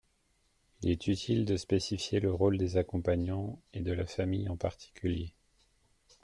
Il est utile de spécifier le rôle des accompagnants, et de la famille en particulier.